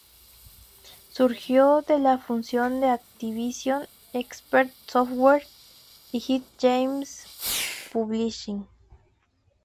Surgió de la fusión de Activision, Expert Software y Head Games Publishing.